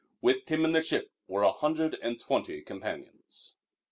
With him in the ship were a hundred and twenty companions.